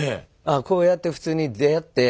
こうやって普通に出会って。